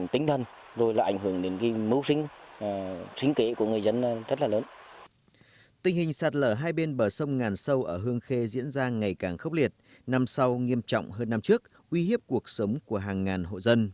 tình hình sạt lở hai bên bờ sông ngàn sâu ở hương khê diễn ra ngày càng khốc liệt năm sau nghiêm trọng hơn năm trước uy hiếp cuộc sống của hàng ngàn hộ dân